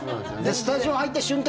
スタジオ入った瞬間